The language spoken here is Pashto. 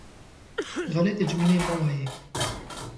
غلطې جملې مه وایئ.